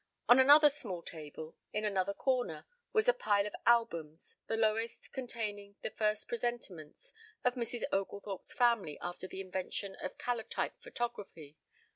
On another small table in another corner was a pile of albums, the lowest containing the first presentments of Mrs. Oglethorpe's family after the invention of calotype photography.